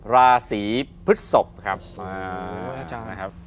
ราศรีพฤษกครับ